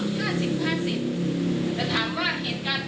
ว่าเขาก็ทำงานในรถเบ้นแล้วเขาก็ไม่เชื่อมั่นใครทั้งนั้นนะครับ